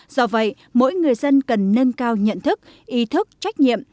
do vậy mỗi người dân cần nâng cao nhận thức ý thức trách nhiệm